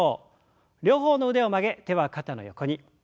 両方の腕を曲げ手は肩の横に。